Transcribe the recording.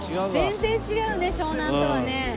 全然違うね湘南とはね。